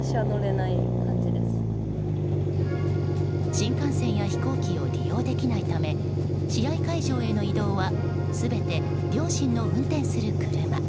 新幹線や飛行機を利用できないため試合会場への移動は全て両親の運転する車。